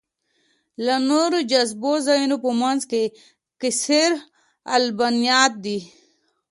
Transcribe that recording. له نورو جذابو ځایونو په منځ کې قصرالبنت دی.